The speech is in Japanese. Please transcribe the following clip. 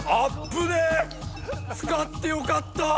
つかってよかった。